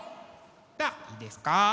ではいいですか？